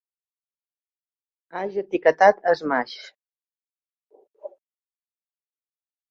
Ax etiquetat a Smash.